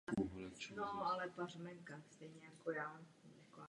Od této chvíle z něj začínal růst hráč světového měřítka.